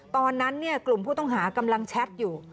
ตอนนั้นกลุ่มผู้ต้องหากำลังแชทอยู่